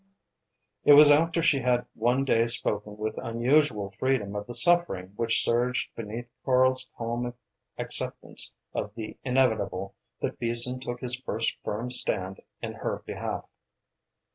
It was after she had one day spoken with unusual freedom of the suffering which surged beneath Karl's calm acceptance of the inevitable that Beason took his first firm stand in her behalf.